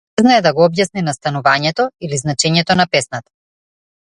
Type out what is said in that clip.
Дури и кога не знае да го објасни настанувањето или значењето на песната.